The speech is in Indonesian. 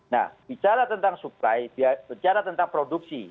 nah bicara tentang supply bicara tentang produksi